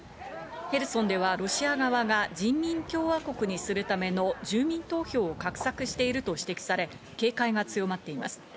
ヘルソンではロシア側が人民共和国にするための住民投票を画策していると指摘され、警戒が強まっています。